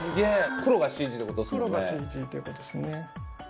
黒がＣＧということですね。